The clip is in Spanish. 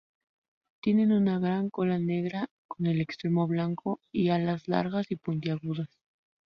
Tienen una larga cola negra con el extremo blanco y alas largas y puntiagudas.